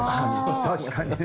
確かにね。